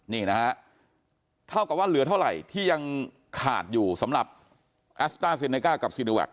นี่นะฮะเท่ากับว่าเหลือเท่าไหร่ที่ยังขาดอยู่สำหรับแอสต้าเซเนก้ากับซีโนแวค